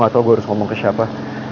gak tau gue harus ngomong ke siapa